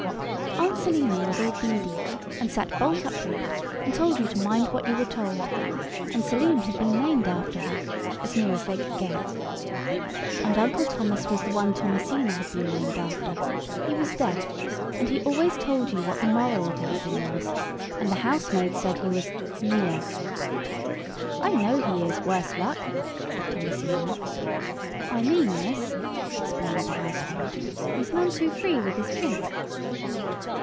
Aunt Selina was all beady, and sat bolt upright, and told you to mind what you were told, and Selim had been named after her—as near as they could get. And Uncle Thomas was the one Thomasina had been named after: he was deaf, and he always told you what the moral of everything was, and the housemaid said he was "near." "I know he is, worse luck," said Thomasina. "I mean, miss," explained the housemaid, "he's none too free with his chink."